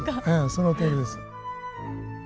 そのとおりです。